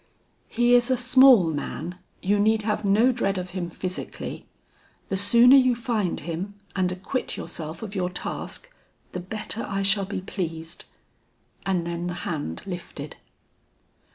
"He is a small man; you need have no dread of him physically. The sooner you find him and acquit yourself of your task, the better I shall be pleased." And then the hand lifted.